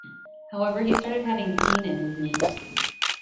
However, he started having pain in his knee.